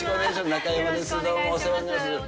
中山です、どうもお世話になります。